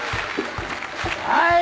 はい。